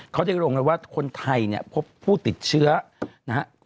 เขาได้ลงแล้วว่าคนไทยเนี่ยพบผู้ติดเชื้อนะฮะ